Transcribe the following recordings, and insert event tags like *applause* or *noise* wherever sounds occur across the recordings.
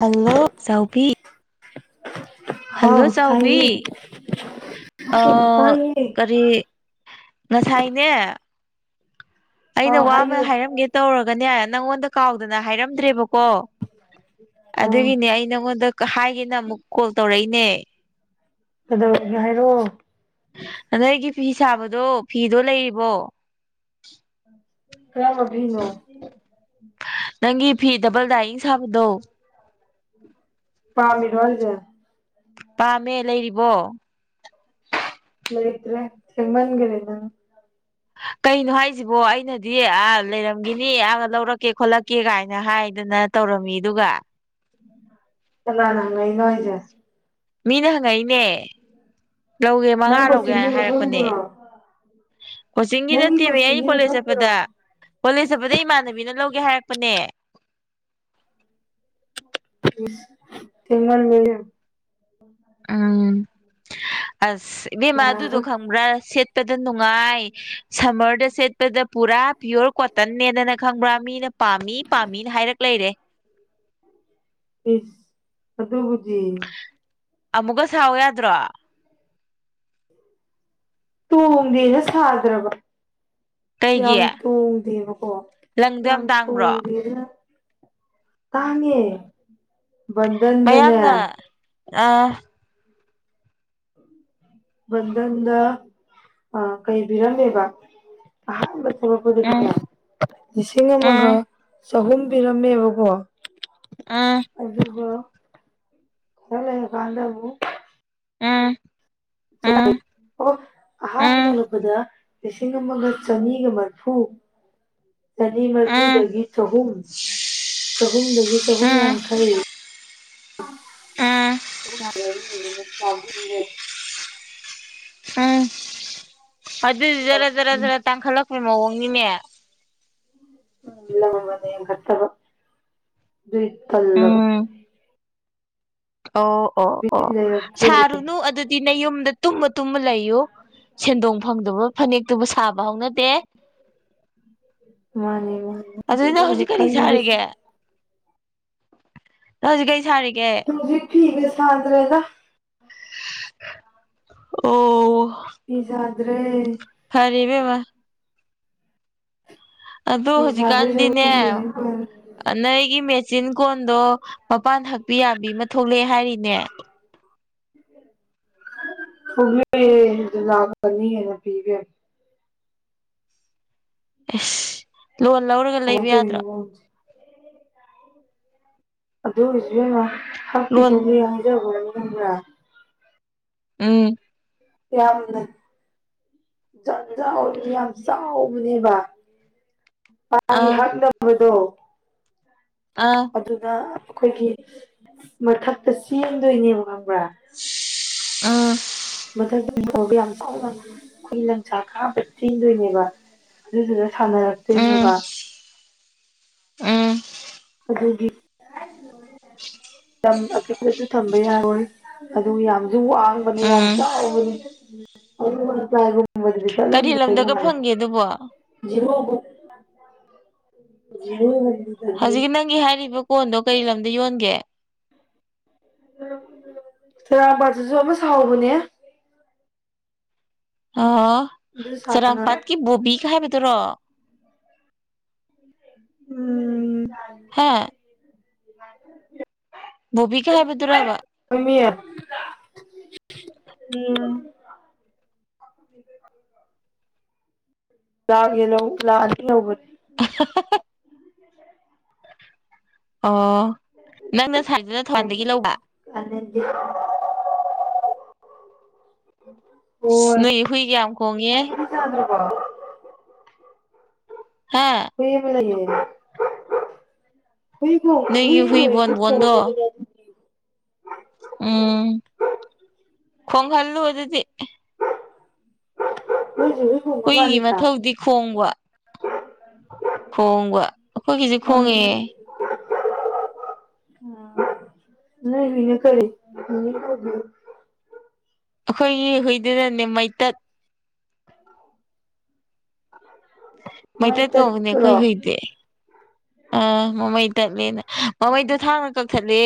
hello ꯆꯥꯎꯕꯤ hello ꯍꯥꯎ ꯆꯥꯎꯕꯤ ꯇꯥꯏꯌꯦ ꯑ ꯇꯥꯏꯌꯦ ꯀꯔꯤ ꯉꯁꯥꯏꯅꯦ ꯑꯩꯅ ꯑꯥ ꯋꯥ ꯑꯃ ꯍꯥꯏꯌꯨ ꯍꯥꯏꯔꯝꯒꯦ ꯇꯧꯔꯒꯅꯦ ꯅꯪꯉꯣꯟꯗ ꯀꯥꯎꯗꯅ ꯍꯥꯏꯔꯝꯗ꯭ꯔꯦꯕꯀꯣ ꯑꯥ ꯑꯗꯨꯒꯤꯅꯦ ꯑꯩ ꯅꯉꯣꯟꯗ ꯍꯥꯏꯒꯦꯅ ꯑꯃꯨꯛ ꯀꯣꯜ ꯇꯧꯔꯛꯏꯅꯦ ꯀꯩꯗꯧꯔꯒꯦ ꯍꯥꯏꯔꯛꯑꯣ ꯑꯗ ꯑꯩꯒꯤ ꯐꯤ ꯁꯥꯕꯗꯣ ꯐꯤꯗꯣ ꯂꯩꯔꯤꯕꯣ ꯀꯔꯝꯕ ꯐꯤꯅꫭ ꯅꯪꯒꯤ ꯐꯤ ꯗꯕꯜ ꯗꯥꯏꯌꯤꯡ ꯁꯥꯕꯗꯣ ꯄꯥꯝꯃꯤꯔꯣ ꯍꯤꯏꯖꯦ ꯄꯥꯝꯃꯦ ꯂꯩꯔꯤꯕꯣ ꯂꯣꯏꯇ꯭ꯔꯦ ꯊꯦꯡꯃꯥꯟꯒꯦꯔꯦ ꯅꯪ ꯀꯩꯅꯣ ꯍꯥꯏꯁꯤꯕꯣ ꯑꯩꯅꯗꯤ ꯑ ꯂꯩꯔꯝꯒꯅꯤ ꯑꯒ ꯂꯧꯔꯛꯀꯦ ꯈꯣꯠꯂꯛꯀꯦ ꯀꯥꯏꯅ ꯍꯥꯏꯗꯅ ꯇꯧꯔꯝꯃꯤ ꯑꯗꯨꯒ ꯀꯅꯥꯅ ꯍꯪꯉꯛꯏꯅꫭ ꯍꯥꯏꯁꯦ ꯃꯤꯅ ꯍꯪꯉꯛꯏꯅꯦ ꯂꯧꯒꯦ ꯅꯪ ꯃꯉꯥ ꯂꯧꯒꯦ ꯀꯣꯆꯤꯡꯒꯤ ꯍꯥꯏꯅ ꯍꯥꯏꯔꯛꯄꯅꯦ ꯃꯐꯝꯗꯨꯔꯣ ꯀꯣꯆꯤꯡꯒꯤ ꯅꯪꯒꯤ ꯅꯠꯇꯦꯃꯤ ꯀꯣꯆꯤꯡꯒꯤ ꯑꯩ ꯀꯣꯂꯦꯖ ꯃꯐꯝꯗꯨꯔꯣ ꯆꯠꯄꯗ ꯀꯣꯂꯦꯖ ꯆꯠꯄꯗ ꯏꯃꯥꯟꯅꯕꯤꯅ ꯂꯧꯒꯦ ꯍꯥꯏꯔꯛꯄꯅꯦ ꯊꯦꯡꯃꯜꯂꯦ ꯌꯥꯝ ꯎꯝ ꯑꯁ ꯏꯕꯦꯃ ꯑꯗꯨꯗꯣ ꯌꯥꯔꯔꯣꯏ ꯈꯪꯕ꯭ꯔ ꯁꯤꯠ ꯆꯠꯄꯗ ꯅꯨꯡꯉꯥꯏ ꯁꯃꯔꯗꯁꯦꯠꯄꯗ ꯄꯨꯔꯥ ꯄꯤꯌꯣꯔ ꯀꯣꯇꯟꯅꯦꯗꯅ ꯈꯪꯕ꯭ꯔꯥ ꯃꯤꯅ ꯄꯥꯝꯃꯤ ꯄꯥꯝꯃꯤꯅ ꯍꯥꯏꯔꯛ ꯂꯩꯔꯦ ꯏꯁ ꯑꯗꯨ ꯍꯧꯖꯤꯛ ꯑꯃꯨꯛꯀ ꯁꯥꯎ ꯌꯥꯗ꯭ꯔꯣ ꯇꯣꯡꯗꯦꯅ ꯁꯥꯗ꯭ꯔꯕ ꯀꯩꯒꯤ ꯌꯥꯝ ꯇꯣꯡꯗꯦꯕꯀꯣ ꯂꯪꯗꯣ ꯌꯥꯝ ꯇꯥꯡꯕ꯭ꯔꯣ ꯇꯣꯡꯗꯦ ꯑꯗꯨꯅ ꯇꯥꯡꯉꯦ ꯕꯟꯗ ꯃꯌꯥꯡꯅ ꯑ ꯕꯟꯗꯟꯗ ꯑꯥ ꯀꯩꯕꯤꯔꯝꯃꯦꯕ ꯑꯍꯥꯟꯕ ꯎꯝ ꯊꫭꯛꯂꯛꯄꯗꯨꯗꯤꯅꯦ ꯂꯤꯁꯤꯡ ꯑꯃꯒ ꯎꯝ ꯆꯍꯨꯝ ꯄꯤꯔꯝꯃꯦꯕꯀꯣ ꯎꯝ ꯑꯗꯨꯒ ꯈꯔ ꯂꯩꯔꯀꯥꯟꯗꯕꯨ ꯎꯝ ꯎꯝ ꯎꯝ *inaudible* ꯑꯍꯥꯟꯕꯗ ꯎꯝ ꯂꯛꯄꯗ ꯂꯤꯁꯤꯡ ꯑꯃꯒ ꯆꯅꯤꯒ ꯃꯥꫪꯐꯨ ꯆꯅꯤ ꯎꯝ ꯃꯔꯤꯐꯨꯗꯒꯤ ꯆꯍꯨꯝ ꯆꯍꯨꯝꯗꯒꯤ ꯆꯍꯨꯝ ꯎꯝ ꯌꯥꯡꯈꯩ *unintelligible* ꯎꯝ ꯑꯗꯨꯗꯤ ꯖꯔꯥ ꯖꯔꯥ ꯖꯔꯥ ꯇꯥꯡꯈꯠꯂꯛꯄ ꯃꯑꯣꯡꯅꯤꯅꯦ *unintelligible* ꯀꯠꯇꯕ ꯑꯗꯨ ꯏꯠꯇꯂꯒ ꯎꯝ ꯑꯣ ꯑꯣ ꯕꯤꯠ ꯑꯣ ꯂꯩꯔꯛꯇ꯭ꯔꯦ ꯁꯥꯔꯨꯅꯨ ꯑꯗꯨꯗꯤ ꯅ ꯌꯨꯝꯗ ꯇꯨꯝꯃ ꯇꯨꯝꯃ ꯂꯩꯌꯨ ꯁꯦꯟꯗꯣꯡ ꯐꯪꯗꯕ ꯐꯅꯦꯛꯇꯨꯕꯨ ꯁꯥꯕ ꯍꯧꯅꯗꯦ ꯃꯥꯅꯦ ꯃꯥꯅꯦ ꯑꯗꯨ *unintelligible* ꯍꯧꯖꯤꯛ ꯀꯔꯤ ꯁꯥꯔꯤꯒꯦ ꯍꯧꯖꯤꯛ ꯀꯔꯤ ꯁꯥꯔꯤꯒꯦ ꯍꯧꯖꯤ ꯐꯤꯒ ꯁꯥꯗ꯭ꯔꯦꯗ ꯑꯣ ꯄꯤꯖꯥꯗ꯭ꯔꯦ ꯐꯔꯤꯕꯦ ꯃꯥ ꯑꯗꯨ ꯐꯤ ꯁꯥꯗꯣꯏ ꯁꯔꯨꯛ ꯍꯧꯖꯤꯛꯀꯥꯟꯗꯤꯅꯦ ꯂꯥꯏꯔꯤꯛ ꯄꯥꯔꯦ ꯅꯣꯏꯒꯤ ꯃꯦꯆꯤꯟ ꯀꯣꯟꯗꯣ ꯃꯄꯥꯟ ꯊꯛꯄꯤ ꯌꯥꯕꯤ ꯑꯃ ꯊꯣꯛꯂꯛꯑꯦ ꯍꯥꯏꯔꯤꯅꯦ *unintelligible* ꯑꯦꯁ ꯂꯣꯟ ꯂꯧꯔꯒ ꯀꯃꯥꯏꯅ ꯂꯩꯕ ꯇꯧꯔꯤꯅꯣ ꯌꯥꯗ꯭ꯔꯣ ꯈꯪꯗꯦ ꯂꯣꯟ *unintelligible* ꯎꯝ ꯌꯥꯝꯗ ꯖꯟꯖꯔꯤꯅꯤ ꯌꯥꯝ ꯆꯥꯎꯕꯅꯦꯕ ꯃꯥꯒꯤ ꯑꯥ ꯍꯥꯞꯅꯕꯗꯣ ꯑꯥ ꯑꯗꯨꯅ ꯑꯩꯈꯣꯏꯒꯤ ꯃꯊꯛꯇ ꯆꯦꯟꯗꯣꯏꯅꯦ ꯈꯪꯕ꯭ꯔꯥ ꯑꯥ ꯃꯊꯛ ꯏꯣꯔꯗ ꯌꯥꯝ ꯆꯥꯎꯅ ꯑꯩꯈꯣꯏ ꯂꯪꯁꯥ ꯀꯥꯕ ꯆꯤꯟꯗꯣꯏꯅꯦꯕ ꯑꯗꯨꯗꯨꯗ ꯎꯝ ꯁꯥꯟꯅꯔꯛꯇꯣꯏꯅꯦꯕ ꯎꯝ ꯑꯗꯨꯒꯤ *unintelligible* ꯑꯀꯤꯄꯁꯨ ꯊꯝꯕ ꯌꯥꯔꯣꯏ ꯑꯗꯨ ꯌꯥꯝꯁꯨ ꯋꯥꯡ ꯎꯝ ꯀꯔꯤ ꯂꯝꯗꯒ ꯐꯪꯒꯦ ꯑꯗꯨꯕꯣ *unintelligible* *unintelligible* *unintelligible* ꯍꯧꯖꯤꯛꯀꯤ ꯅꯪꯒꯤ ꯍꯥꯏꯔꯤꯕ ꯀꯣꯟꯗꯣ ꯀꯔꯤ ꯂꯝꯗ ꯌꯣꯟꯒꯦ ꯆꯦꯔꯥꯄꯥꯁꯤꯁꯨ ꯑꯃ ꯁꯥꯎꯕꯅꯦ ꯑ ꯑꯗꯨ ꯁꯥꯅ ꯁꯦꯔꯥꯝꯄꯥꯥꯠꯀꯤ ꯕꯣꯕꯤꯒ ꯍꯥꯏꯕꯗꯨꯔꯣ ꯎꯝ ꯍꯥ ꯕꯣꯕꯤꯒ ꯍꯥꯏꯕꯗꯨꯕ ꯎꯃꯤꯔ ꯎꯝ ꯂꯥꯛꯒꯦꯂꯣ ꯂꯥꯛꯑꯅꯤ ꯂꯕꯗꯤ ꯑꯣ ꯅꯪꯅ ꯁꯥꯏꯖꯅ ꯊꯋꯥꯥꯟꯗꯒꯤ ꯂꯧꯕ *unintelligible* ꯅꯣꯏ ꯍꯨꯏꯒ ꯌꯥꯝ ꯀꯣꯡꯉꯦ ꯆꯗ꯭ꯔꯕꯣ ꯍꯥꯥ *unintelligible* ꯕ ꯂꯩ ꯍꯨꯏ ꯅꯣꯏꯒꯤ ꯍꯨꯏ ꯕꯣꯟꯕꯣꯟꯗꯣ *unintelligible* ꯎꯝ ꯈꯣꯡꯒꯜꯂꯨ ꯑꯗꯨꯗꯤ ꯅꯣꯏꯁꯨ ꯈꯣꯡꯕ ꯍꯨꯏ ꯃꯥꯜꯂꯤꯗ ꯃꯊꯧꯗꯤ ꯈꯣꯡꯕ ꯈꯣꯡꯕ ꯑꯩꯈꯣꯏꯒꯤꯁꯦ ꯈꯣꯡꯉꯦ ꯃꯥꯅꯦ *inaudible* ꯎꯝ ꯅ ꯃꯤꯅꯦ ꯈꯔꯤ ꯃꯤ ꯑꯩꯈꯣꯏꯒꯤ ꯍꯨꯏꯗꯨꯅꯅꯦ ꯃꯩꯇꯠ ꯃꯥꯏ ꯃꯩꯇꯩꯠ ꯀꯧꯕꯅꯦ ꯑꯩꯈꯣꯏ ꯆꯠꯇ꯭ꯔꯣ ꯍꯨꯏꯗꯦ ꯑꯥ ꯃꯃꯩ ꯇꯠꯂꯦꯅ ꯃꯃꯩꯗꯣ ꯊꯥꯔ ꯀꯛꯊꯠꯂꯦ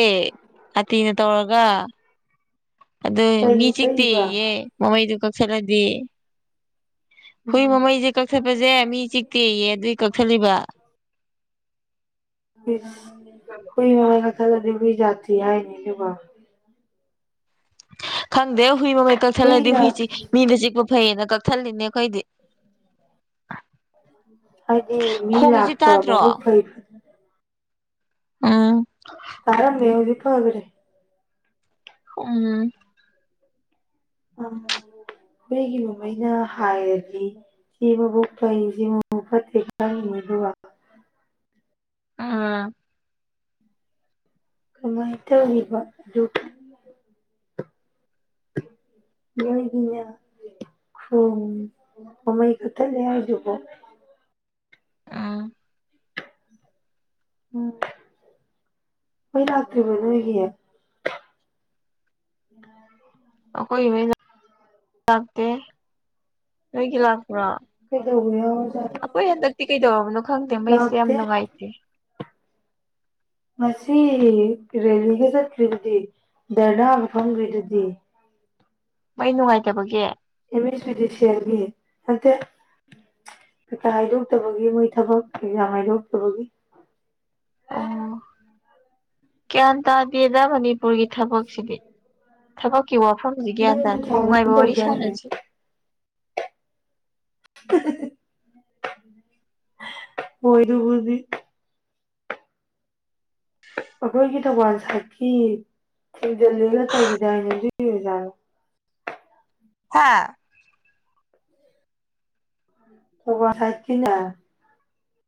ꯑꯥꯇꯤꯅ ꯇꯧꯔꯒ ꯑꯗꯨ ꯃꯤ ꯀꯩꯒꯤ ꯀꯛꯏꯕ ꯆꯤꯛꯇꯤꯌꯦ ꯃꯃꯩꯗꯨ ꯀꯛꯁꯜꯂꯗꯤ ꯍꯨꯏ ꯎꯝ ꯃꯃꯩꯁꯦ ꯀꯛꯊꯠꯄꯁꯦ ꯃꯤ ꯆꯤꯛꯇꯦꯌꯦ ꯑꯗꯨꯏ ꯀꯛꯊꯠꯂꯤꯕ ꯤꯁ ꯍꯣꯏ ꯃꯃꯥꯏ ꯀ ꯊ ꯀꯗꯤꯕꯕꯤ ꯌꯥꯇ ꯍꯥꯏꯅꯤꯅꯦꯕ ꯈꯪꯗꯦ ꯍꯨꯏ ꯃ ꯁꯂꯗꯤ ꯍꯨꯏꯅ ꯍꯨꯏꯁꯤ ꯃꯤꯗ ꯆꯤꯛꯄ ꯐꯩꯌꯦꯅ ꯀꯛꯊꯜꯂꯤꯅꯦ ꯑꯩꯈꯣꯏꯗꯤ ꯍꯥꯏꯗꯤ ꯃꯤ ꯈꯣꯡꯉꯤꯁꯤ ꯇꯥꯗ꯭ꯔꯣ ꯂꯥꯛꯄꯕꯨ ꯐꯩ ꯐꯦ ꯎꯝ ꯇꯔ ꯃꯦꯎꯂꯤ ꯐ ꯑꯣꯏꯕꯔꯦ ꯎꯝ ꯎ ꯑꯩꯣꯏꯒꯤ ꯃꯨꯝꯃꯩꯅ ꯍꯥꯏꯔꯗꯤ ꯁꯤ ꯃꯕꯨꯛ ꯀꯁꯤ ꯃ ꯐꯠꯇꯦ ꯈꯪꯅꯤ ꯑꯗꯨꯒ ꯑ ꯀꯃꯥꯏꯅ ꯇꯧꯔꯤꯕ ꯑꯗꯨꯒ ꯂꯣꯏꯒꯤꯥ ꯍ ꯃꯃꯥꯏ ꯀꯊ ꯂꯩ ꯍꯥꯏꯖꯕꯣ ꯑꯥ ꯎꯝ ꯍꯣꯏ ꯂꯥꯛꯇ꯭ꯔꯤꯕ ꯅꯣꯏꯒꯤ ꯑꯩꯈꯣꯏ ꯏꯉꯩ ꯂꯥꯛꯇꯦ ꯅꯣꯏꯒꯤ ꯂꯥꯛꯄ꯭ꯔꯣ ꯀꯩꯗꯧꯕ ꯌꯥꯎꯔꯖꯥꯠꯅꯣ ꯑꯩꯈꯣꯏ ꯍꯟꯗꯛꯇꯤ ꯀꯩꯗꯧꯔꯕꯅꯣ ꯈꯪꯗꯦ ꯃꯩꯁꯦ ꯌꯥꯝ ꯂꯥꯛꯇꯦ ꯅꯨꯡꯉꯥꯏꯇꯦ ꯉꯁꯤ ꯔꯦꯂꯤꯒ ꯆꯠꯈ꯭ꯔꯤꯕꯗꯤ ꯗꯔꯗꯥ ꯃꯐꯝꯒꯤꯩꯗꯗꯤ ꯃꯩ ꯅꯨꯡꯉꯥꯏꯇꯕꯒꯤ ꯏꯃꯤ ꯗꯁꯤ ꯍꯥꯏꯕꯤ ꯑꯗ ꯀꯩꯀꯥ ꯍꯥꯏꯗꯣꯛꯇꯕꯒꯤ ꯃꯣꯏ ꯊꯕꯛ ꯑꯦꯛꯖꯥ ꯍꯥꯏꯗꯣꯛꯇꯕꯒꯤ ꯑꯣ ꯒ꯭ꯌꯥꯟ ꯇꯥꯗꯦꯗ ꯃꯅꯤꯄꯨꯔꯒꯤ ꯊꯕꯛꯁꯤꯗꯤ ꯊꯕꯛꯀꯤ ꯋꯥꯐꯝꯁꯤꯦ ꯒ꯭ꯌꯥꯟ ꯅꯪꯁꯨ ꯇꯥꯗꯦ ꯊꯥꯒꯨꯝ ꯅꯨꯡꯉꯥꯏꯕ ꯋꯥꯔꯤ ꯇꯧꯗꯥꯏꯅꯦ ꯁꯥꯟꯅꯁꯤ *unintelligible* ꯑꯣꯏꯣꯏꯗꯨꯕꯨꯕꯤ ꯑꯩꯈꯣꯏꯒꯤ ꯊꯧꯕꯥꯜ ꯁꯥꯏꯠꯀꯤ ꯗꯦꯜꯂꯤꯒ ꯇꯧꯈꯤꯗꯥꯏꯅꯦ ꯍꯧꯖꯤꯛꯒꯤ ꯑꯣꯖꯥꯅꯣ ꯍꯥ ꯋꯥꯍꯠꯀꯤꯅꯥ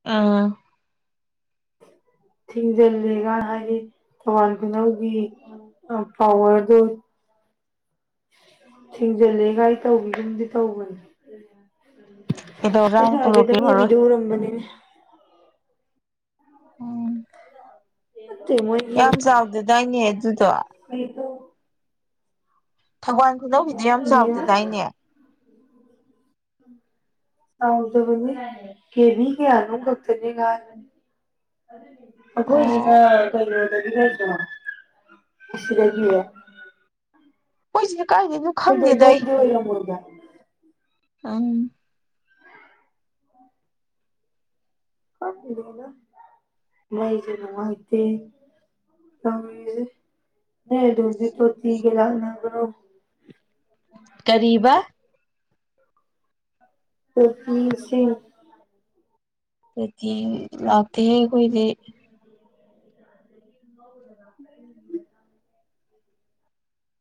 ꯎꯝ ꯊꯤꯡꯖꯤꯜꯂꯦꯒ ꯍꯥꯏꯌꯦ ꯊꯧꯕꯥꯜ ꯈꯨꯅꯧꯒꯤ ꯑ ꯄꯥꯎꯋꯔꯗꯨ ꯊꯤꯡꯖꯤꯜꯂꯦꯒꯥꯏ ꯇꯧꯒꯤꯒꯨꯝꯗꯤ ꯇꯧꯕꯅꯤ ꯀꯩꯗꯧꯔꯖꯥꯠꯅꯣ ꯑꯩꯁꯨ ꯍꯥꯏꯐꯦꯇꯪ ꯇꯣꯂꯣꯞꯄꯤꯔꯝꯃꯔꯣꯏ ꯑꯦꯕꯤꯗ ꯎꯔꯝꯕꯅꯤꯅꯦ ꯎꯝ ꯅꯠꯇꯦ ꯌꯥꯝ ꯆꯥꯎꯗꯗꯥꯏꯅꯦ ꯑꯗꯨꯗꯣ ꯑꯩꯩꯗꯣ ꯊꯧꯕꯥꯟ ꯈꯨꯅꯧꯁꯤꯗꯤ ꯌꯥꯝ ꯆꯥꯎꯗꯦꯗꯥꯏꯅꯦ ꯎ ꯑꯗꯕꯅꯤ ꯀꯦꯅꯤ ꯀꯅꯨ ꯀꯛꯇꯅꯤꯒꯒꯥ ꯑꯣ *inaudible* ꯍꯣꯏ ꯁꯤꯗ ꯀꯥꯏꯗꯩꯅꯣ ꯍꯣꯏꯗ ꯑꯗꯣ ꯈꯪꯗꯦꯗ ꯑꯗꯣꯝ ꯑꯣꯏꯔꯝꯃꯣꯏꯗ꯭ꯔꯥ ꯑꯪ ꯃꯩꯖꯦ ꯅꯨꯡꯉꯥꯏꯇꯦ ꯇꯧꯋꯦꯌꯦ ꯅꯣꯏ ꯑꯗꯣꯝꯗꯤ ꯇꯣꯇꯤꯒ ꯂꯥꯛꯅꯕ꯭ꯔꯣ ꯀꯔꯤꯕꯥ ꯇꯣꯇꯤ ꯏꯁꯤꯡ ꯇꯣꯇꯤꯡ ꯂꯥꯛꯇꯦꯍꯦ ꯑꯈꯣꯏꯗꯤ *unintelligible* *unintelligible*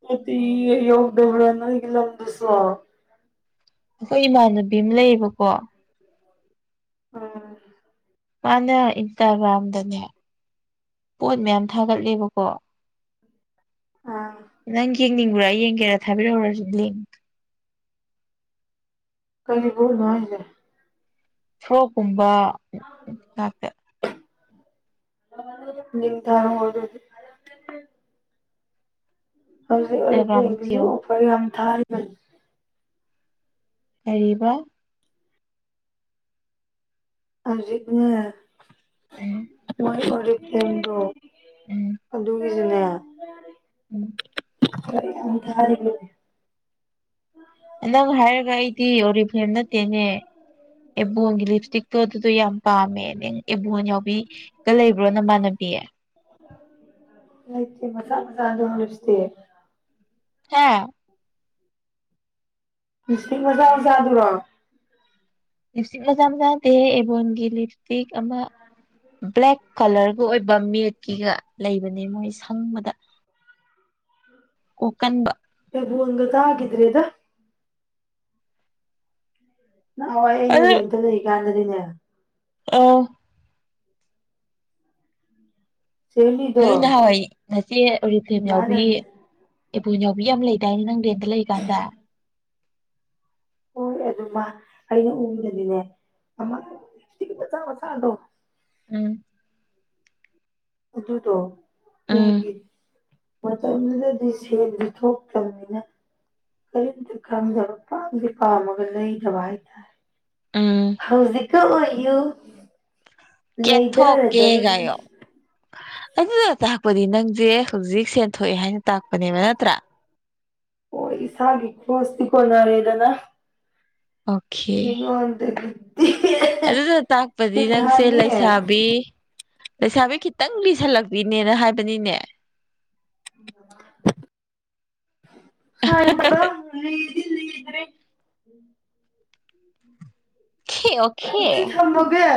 ꯇꯣꯇꯤꯒ ꯌꯧꯗꯕ꯭ꯔꯥ ꯅꯪꯒꯤ ꯂꯝꯗꯨꯁꯨ ꯑꯩꯈꯣꯏ ꯏꯃꯥꯟꯅꯕꯤ ꯑꯃ ꯂꯩꯌꯦꯕꯀꯣ ꯎꯝ ꯃꯥꯅ ꯏꯟꯁꯇ꯭ꯔꯒ꯭ꯔꯥꯝꯗꯅꯦ ꯄꯣꯠ ꯃꯌꯥꯝ ꯊꯥꯒꯠꯂꯦꯕꯀꯣ ꯑꯥ ꯅꯪ ꯌꯦꯡꯅꯤꯡꯕ꯭ꯔꯥ ꯌꯦꯡꯒꯦꯔꯥ ꯊꯥꯕꯤꯔꯛꯎꯔꯥ ꯁꯤ ꯂꯤꯡ ꯀꯔꯤꯕꯨꯅꯣ ꯍꯥꯏꯖꯦ ꯐ꯭ꯔꯣꯛꯀꯨꯝꯕ ꯉꯥꯛꯇ ꯂꯤꯡ ꯊꯥꯔꯛꯑꯣ ꯑꯗꯨꯗꯤ ꯍꯧꯖꯤꯛ ꯏꯟꯁꯇꯥꯒ꯭ꯔꯥꯝꯗ ꯑꯣꯔꯤꯐ꯭ꯔꯦꯝꯒꯤꯁꯨ ꯊꯤꯌꯣ ꯑꯣꯐ꯭ꯔ ꯌꯥꯝ ꯊꯥꯔꯤꯕꯅꯤ ꯀꯔꯤꯕꯥ ꯍꯧꯖꯤꯛꯅꯦ ꯎꯝ ꯃꯣꯏ ꯑꯣꯔꯤꯐ꯭ꯂꯦꯝꯗꯣ ꯑꯗꯨꯒꯤꯖꯨꯅꯦ ꯎꯝ ꯑꯣꯐ꯭ꯔ ꯌꯥꯝ ꯊꯥꯔꯤꯕꯅꯦ ꯅꯪ ꯍꯥꯏꯔꯒ ꯑꯩꯗꯤ ꯑꯣꯔꯤꯐ꯭ꯂꯦꯝ ꯅꯠꯇꯦꯅꯦ ꯑꯦꯕꯣꯟꯒꯤ ꯂꯤꯞ ꯇꯤꯛꯇꯣ ꯑꯗꯨꯗꯣ ꯌꯥꯝ ꯄꯥꯝꯃꯦ ꯅꯪ ꯑꯦꯕꯣꯟ ꯌꯥꯎꯕꯤꯒ ꯂꯩꯕ꯭ꯔꯣ ꯅꯃꯥꯟꯅꯕꯤ ꯂꯩꯇꯦ ꯃꯆꯥ ꯃꯆꯥꯥꯗꯣ ꯍꯧꯖꯤꯛꯇꯤ ꯍꯥꯥ ꯂꯤꯞꯁꯇꯤꯛ ꯃꯆꯥ ꯃꯆꯥꯗꯨꯔꯣ ꯂꯤꯞꯁꯇꯤꯛ ꯃꯆꯥ ꯃꯆꯥ ꯅꯠꯇꯦꯍꯦ ꯑꯦꯕꯣꯟꯒꯤ ꯂꯤꯞꯁꯇꯤꯛ ꯑꯃ ꯕ꯭ꯂꯦꯛ ꯀꯂ꯭ꯔꯒ ꯑꯣꯏꯕ ꯃꯦꯠꯀꯤꯒ ꯂꯩꯕꯅꯦ ꯃꯣꯏ ꯁꯪꯕꯗ ꯀꯣꯛꯀꯟꯕ ꯑꯦꯕꯣꯟꯒ ꯇꯥꯒꯤꯗ꯭ꯔꯦꯗ ꯅꯍꯥꯟꯋꯥꯏ ꯑꯩꯅ ꯔꯦꯟꯇ ꯂꯩꯔꯤꯀꯥꯟꯗꯗꯤꯅꯦ ꯑ ꯥꯎ *inaudible* ꯆꯦꯂꯤꯗꯣ ꯅꯪ ꯅꯍꯥꯟꯋꯥꯏ ꯉꯆꯦ ꯔꯤꯐꯦꯝ ꯌꯥꯎꯕꯤ ꯃꯥꯅꯅꯦ ꯏꯕꯣꯟ ꯌꯥꯎꯕꯤ ꯌꯥꯝ ꯂꯩꯗꯥꯏꯅꯦ ꯅꯪꯗꯦ ꯂꯩ ꯀꯥꯟꯗ ꯍꯣꯏ ꯑꯗꯨꯃ ꯑꯩꯅ ꯎꯗꯗꯤꯅꯦꯤꯠ ꯃꯆꯥ ꯃꯆꯥꯗꯣ ꯎꯝ ꯑꯗꯨꯗꯣ ꯎ ꯎꯝ ꯃꯇꯝꯗꯨꯗꯗꯤ ꯁꯦꯜꯗꯤ ꯊꯣꯛꯇ꯭ꯔꯕꯅꯤꯅ ꯀꯔꯤꯝꯇ ꯈꯪꯗꯕ ꯄꯥꯝꯗꯤ ꯄꯥꯝꯃꯒ ꯂꯩꯗꯕ ꯎꯝ ꯍꯥꯏꯇꯥꯔꯦ ꯍꯧꯖꯤꯛꯀ ꯑꯣꯏꯌꯨ ꯀꯦꯊꯣꯛꯀꯦ ꯂꯩꯊꯔꯗꯕꯅꯤ ꯒꯥꯏꯌꯣ ꯑꯗꯨꯅ ꯇꯥꯛꯄꯗꯤ ꯅꯪꯖꯦ ꯍꯧꯖꯤꯛ ꯁꯦꯟꯊꯣꯛꯑꯦ ꯍꯥꯏꯅ ꯇꯥꯛꯄꯅꯦꯕ ꯅꯠꯇ꯭ꯔꯥ ꯍꯣꯏ ꯏꯁꯥꯒꯤ ꯈ꯭ꯔꯣꯁꯇꯤ ꯀꯣꯟꯅꯔꯦꯗꯅ ꯑꯣꯀꯦ ꯃꯤꯉꯣꯟꯗꯒꯤ ꯑꯗꯨꯅ ꯇꯥꯛꯄꯗꯤ ꯅꯪꯁꯦ ꯍꯥꯏꯌꯦ ꯂꯩꯁꯥꯕꯤ ꯂꯩꯁꯥꯕꯤ ꯈꯤꯇꯪ ꯂꯤꯁꯜꯂꯛꯄꯤꯅꯦꯅ ꯍꯥꯏꯕꯅꯤꯅꯦ *unintelligible* *inaudible* ꯍꯦ ꯑꯣ ꯑꯗꯨ ꯊꯝꯃꯒꯦ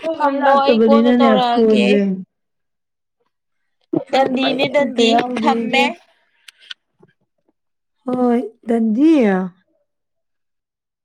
ꯐꯣꯏ ꯃ ꯊꯝꯃꯣ ꯑꯩ ꯀꯣꯟꯅ ꯂꯥꯛꯇꯕꯅꯤꯅꯅꯦ ꯇꯧꯔꯛꯑꯒꯦ ꯐꯣꯟꯁꯦ ꯐꯣꯟ ꯃꯩ ꯗꯗꯤꯅꯤ ꯑꯝꯇ ꯗꯟꯗꯤ ꯌꯥꯎꯗꯦ ꯊꯝꯃꯦ ꯏꯕꯦꯝꯃ ꯍꯣꯏ ꯗꯟꯗꯤ